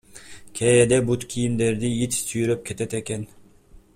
Кээде бут кийимдерди ит сүйрөп кетет экен.